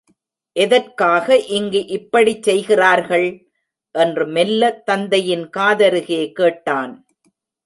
எதற்காக இங்கு இப்படிச் செய்கிறார்கள்? என்று மெல்ல தந்தையின் காதருகே கேட்டான்.